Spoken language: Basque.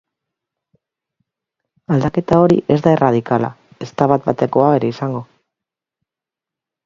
Aldaketa hori ez da erradikala, ezta bat-batekoa ere izango.